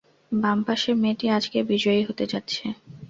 বামপাশের মেয়েটি আজকের বিজয়ী হতে যাচ্ছে।